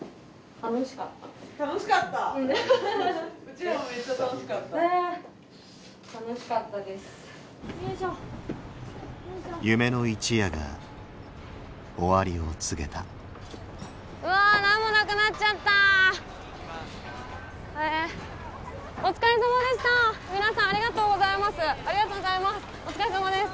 ありがとうございます。